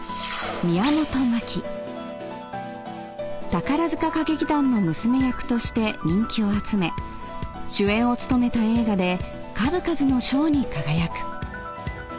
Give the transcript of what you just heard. ［宝塚歌劇団の娘役として人気を集め主演を務めた映画で数々の賞に輝く］